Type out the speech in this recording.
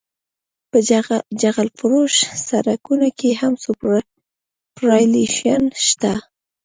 په جغل فرش سرکونو کې هم سوپرایلیویشن شته